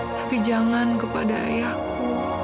tapi jangan kepada ayahku